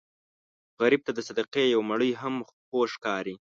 غریب ته د صدقې یو مړۍ هم خوږ ښکاري